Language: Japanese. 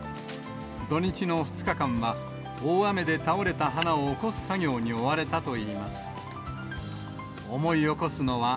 土日の２日間は、大雨で倒れた花を起こす作業に追われたといいます。